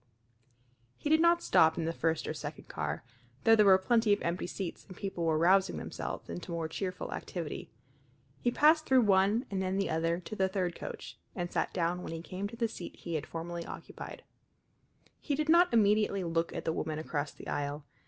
He did not stop in the first or second car, though there were plenty of empty seats and people were rousing themselves into more cheerful activity. He passed through one and then the other to the third coach, and sat down when he came to the seat he had formerly occupied. He did not immediately look at the woman across the aisle.